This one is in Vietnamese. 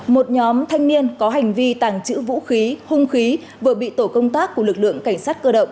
một nhóm thanh niên có hành vi tàng trữ vũ khí hung khí vừa bị tổ công tác của lực lượng cảnh sát cơ động